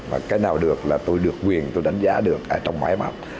và cái nào được là tôi được quyền tôi đánh giá được ở trong máy móc